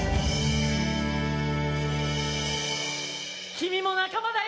君も仲間だよ！